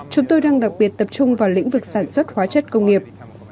chúng tôi đang đặc biệt tập trung vào lĩnh vực sản xuất hóa chất công nghiệp